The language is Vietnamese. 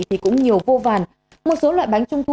thì cũng nhiều vô vàn một số loại bánh trung thu